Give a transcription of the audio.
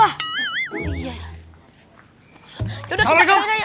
eh boleh panggil saya